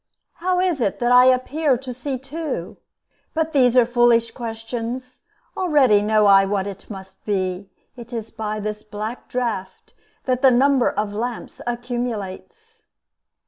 How is it that I appear to see two? But these are foolish questions, Already know I what it must be: It is by this black draught That the number of lamps accumulates.